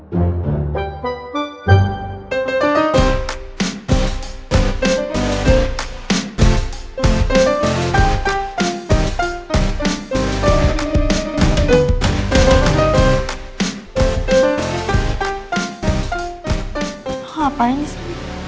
lo ngapain disini